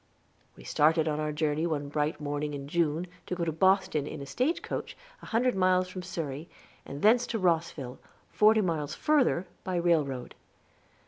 We started on our journey one bright morning in June, to go to Boston in a stagecoach, a hundred miles from Surrey, and thence to Rosville, forty miles further, by railroad.